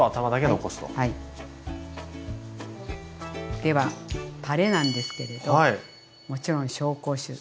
ではたれなんですけれどもちろん紹興酒です。